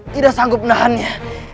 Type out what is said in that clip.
tidak sanggup menahannya